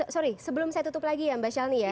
sorry sebelum saya tutup lagi ya mbak shelni ya